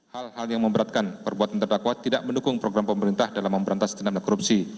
hal hal yang memberatkan perbuatan terdakwa tidak mendukung program pemerintah dalam memberantas tindak pidana korupsi